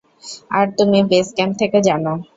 আর তুমি base camp থেকে জানো।